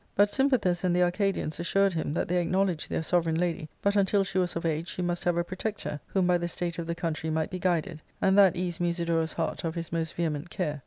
But Sympathus and the Arcadians assured him that they acknowledged their sovereign lady, but until she was of age she must have a protector whom by the state of the country might be guided, and that eased Musidorus' heart of his most vehement care.